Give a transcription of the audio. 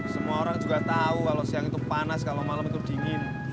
semua orang juga tahu kalau siang itu panas kalau malam itu dingin